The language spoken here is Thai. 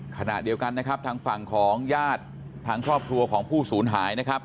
ขณะเดียวกันนะครับทางฝั่งของญาติทางครอบครัวของผู้สูญหายนะครับ